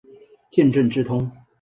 见正字通。